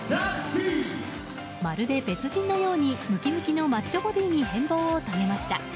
まるで別人のようにムキムキのマッチョボディーに変貌を遂げました。